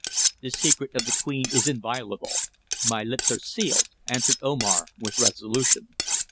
"The secret of the queen is inviolable. My lips are sealed," answered Omar with resolution.